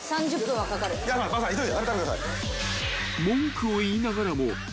はい。